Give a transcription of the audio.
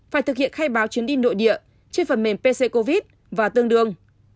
phải thực hiện khai báo chuyến đi nội địa trên phần mềm pc covid và tương đương